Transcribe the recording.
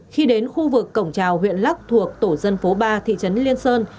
khi đến khu vực cổng trào huyện lắc thuộc tổ dân phố ba thị trấn liên sơn